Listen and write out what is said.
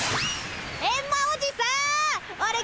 エンマおじさんおれ